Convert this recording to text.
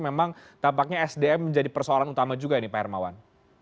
memang tampaknya sdm menjadi persoalan utama juga ini pak hermawan